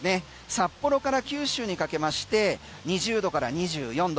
札幌から九州にかけまして２０度から２４度。